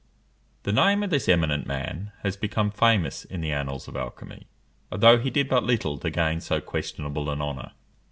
The name of this eminent man has become famous in the annals of alchymy, although he did but little to gain so questionable an honour.